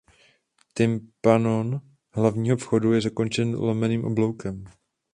Tympanon hlavního vchodu je zakončen lomeným obloukem.